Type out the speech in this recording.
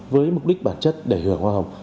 với mục đích bản chất để hưởng hoa hồng